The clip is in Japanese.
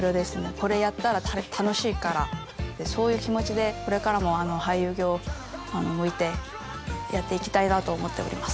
これやったら楽しいからそういう気持ちでこれからも俳優業やっていきたいなと思っております